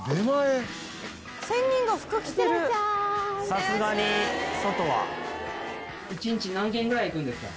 「さすがに外は」一日何軒くらい行くんですか？